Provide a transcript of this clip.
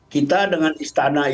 kita dengan istana ipb